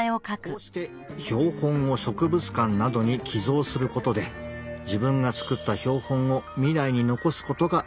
こうして標本を植物館などに寄贈することで自分が作った標本を未来に残すことができます。